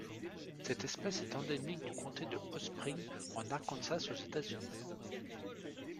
Cette espèce est endémique du comté de Hot Spring en Arkansas aux États-Unis.